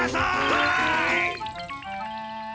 はい！